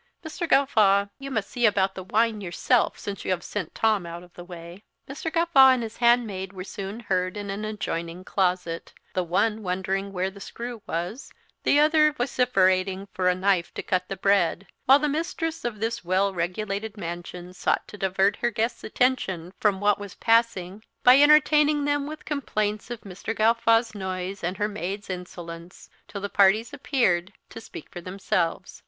"Mr. Gawffaw, you must see about the wine yourself since you have sent Tom out of the way." Mr. Gawffaw and his handmaid were soon heard in an adjoining closet; the one wondering where the screw was, the other vociferating for a knife to cut the bread; while the mistress of this well regulated mansion sought to divert her guests' attention from what was passing by entertaining them with complaints of Mr. Gawffaw's noise and her maid's insolence till the parties appeared to speak for themselves.